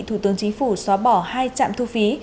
thủ tướng chính phủ xóa bỏ hai trạm thu phí